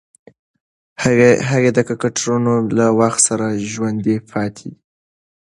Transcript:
هغې کرکټرونه له وخت سره ژوندۍ پاتې دي.